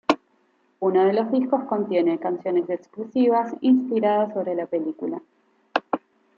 Uno de los discos contiene canciones exclusivas inspiradas sobre la película.